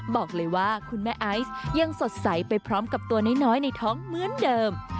บอกเลยว่าคุณแม่ไอซ์ยังสดใสไปพร้อมกับตัวน้อยในท้องเหมือนเดิม